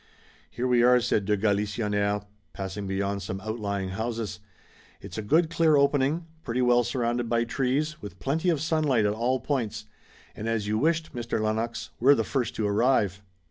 "Here we are," said de Galisonnière, passing beyond some outlying houses. "It's a good, clear opening, pretty well surrounded by trees, with plenty of sunlight at all points, and as you wished, Mr. Lennox, we're the first to arrive."